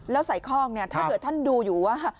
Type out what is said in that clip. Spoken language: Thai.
แล้วใส่ข้องเนี่ยถ้าเกิดท่านดูอยู่ว่า